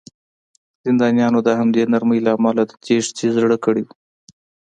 زندانیانو د همدې نرمۍ له امله د تېښتې زړه کړی و